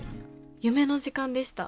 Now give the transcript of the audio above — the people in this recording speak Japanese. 夢の時間でした。